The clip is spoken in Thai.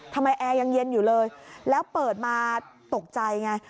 แอร์ยังเย็นอยู่เลยแล้วเปิดมาตกใจไง